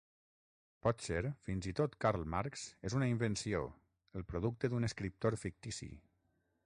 Potser fins i tot Karl Marx és una invenció, el producte d'un escriptor fictici.